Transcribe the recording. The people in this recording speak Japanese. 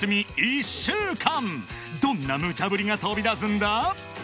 ［どんなムチャぶりが飛び出すんだ？］